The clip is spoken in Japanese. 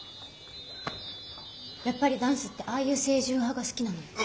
やっぱり男子ってああいう清純派が好きなの？